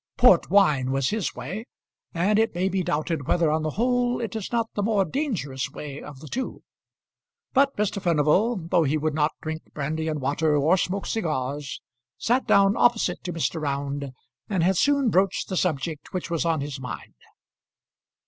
Port wine was his way, and it may be doubted whether on the whole it is not the more dangerous way of the two. But Mr. Furnival, though he would not drink brandy and water or smoke cigars, sat down opposite to Mr. Round, and had soon broached the subject which was on his mind.